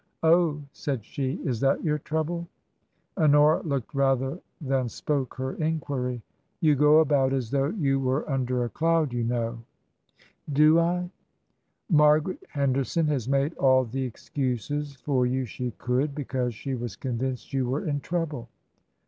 " Oh," said she, " is that your trouble ?" Honora looked rather than spoke her inquiry. " You go about as though you were under a cloud, you know." *' Do I ?"/ 82 TRANSITION. " Margaret Henderson has made all the excuses for you she could, because she was convinced you were in trouble."